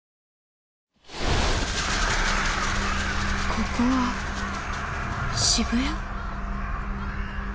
ここは渋谷！？